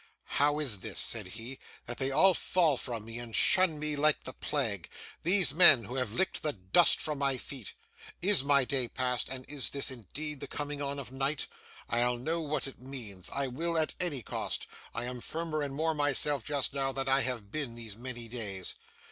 'How is this,' said he, 'that they all fall from me, and shun me like the plague, these men who have licked the dust from my feet? IS my day past, and is this indeed the coming on of night? I'll know what it means! I will, at any cost. I am firmer and more myself, just now, than I have been these many days.